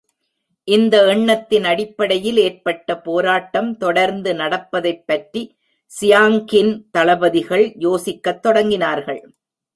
இந்த எண்ணத்தின் அடிப்படையில் ஏற்பட்ட போராட்டம் தொடர்ந்து நடப்பதைப்பற்றி சியாங் கின் தளபதிகள் யோசிக்கத் தொடங்கினார்கள்.